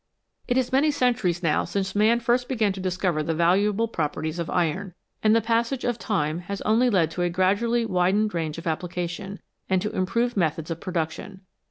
It is many centuries now since man first began to discover the valuable properties of iron, and the passage of time has only led to a gradually widened range of application, and to improved methods of production.